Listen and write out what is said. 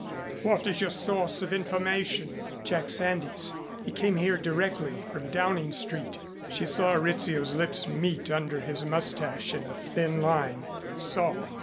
"What is your source of information?" "Jack Sandys. He came here directly from Downing Street." She saw Rizzio's lips meet under his mustache in a thin line. "So.